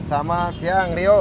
selamat siang rio